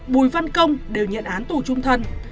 bùi văn công đều nhận án tù trung thân